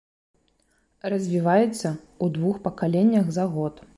Развіваецца ў двух пакаленнях за год.